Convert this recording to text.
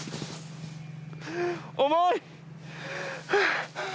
重い！